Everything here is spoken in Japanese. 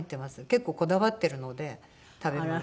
結構こだわってるので食べ物に。